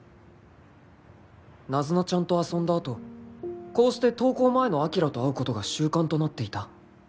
ナズナちゃんと遊んだ後こうして登校前のアキラと会うことが習慣となっていた